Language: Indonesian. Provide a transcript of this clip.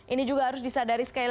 ini juga harus disadari sekali lagi